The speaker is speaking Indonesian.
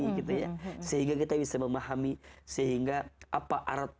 maka nanti kita akan belajar bagaimana cara kita menjauhkan diri kita dari allah subhanahu wa ta'ala